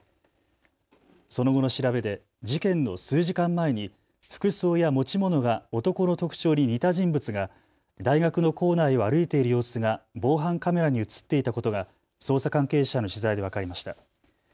その後の調べで事件の数時間前に服装や持ち物が男の特徴に似た人物が大学の構内を歩いている様子が防犯カメラに写っていたことが捜査関係者への取材で分かりました。